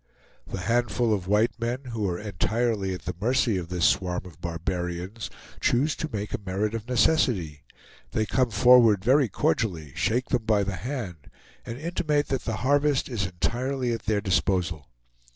The handful of white men, who are entirely at the mercy of this swarm of barbarians, choose to make a merit of necessity; they come forward very cordially, shake them by the hand, and intimate that the harvest is entirely at their disposal.